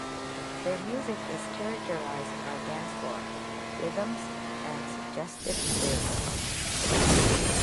Their music is characterized by dancefloor rhythms and suggestive lyrics.